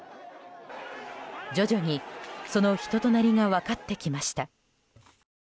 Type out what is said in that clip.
徐々に、その人となりが分かってきました。